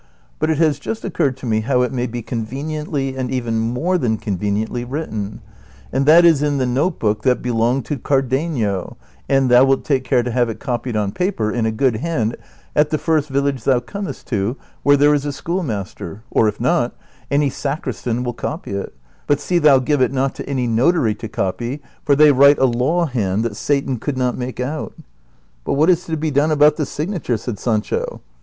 But it has just occurred to me how it may be conveniently and even more tlian conveniently written, and that is in the note book that l)elonged to Cardenio, and thou wilt take care to have it copied on paper, in a good hand, at the first village thou comest to where there is a schoolmaster, or if not, any sacristan will copy it ; but see thou give it not to any notary to copy, for they write a law hand that Satan could not make out." " But what is to be done aliout the signature ?" said Sancho.